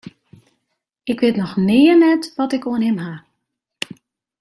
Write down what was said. Ik wit noch nea net wat ik oan him haw.